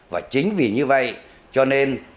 và chính vì như vậy cho nên